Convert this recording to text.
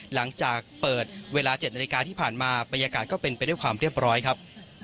หลังจากเปิดเวลา๗นาฬิกาที่ผ่านมาบรรยากาศก็เป็นไปด้วยความเรียบร้อยครับ